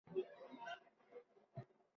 Oʼqish ham qolib ketdi!